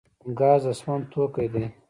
ګاز د سون توکی دی